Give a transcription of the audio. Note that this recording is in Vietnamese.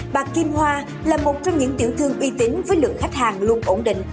bà kim hoa là một trong những tiểu thương uy tín với lượng khách hàng luôn ổn định